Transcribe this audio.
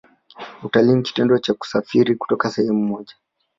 Utalii ni kitendo cha kusafiri kutoka sehemu moja